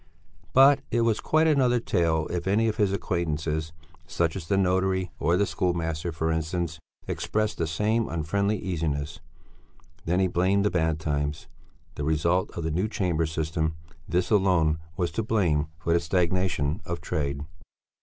But it was quite another tale if any of his acquaintances, such as the notary or the schoolmaster, for instance, expressed the same friendly uneasiness. Then he blamed the bad times, the result of the new chamber system; this alone was to blame for the stagnation of trade.